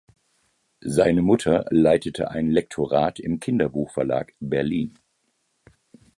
Seine Mutter leitete ein Lektorat im Kinderbuchverlag Berlin.